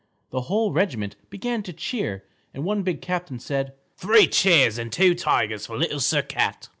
The whole regiment began to cheer, and one big captain said, "Three cheers and two tigers for Little Sir Cat!"